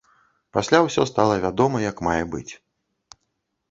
Пасля ўсё стала вядома як мае быць.